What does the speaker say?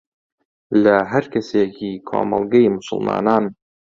لە هەر کەسێکی کۆمەڵگەی موسڵمانان